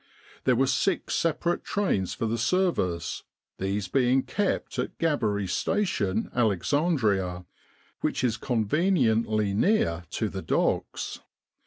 There were six separate trains for the service, these being kept at Gabbary Station, Alexandria, which is conveniently near to the docks.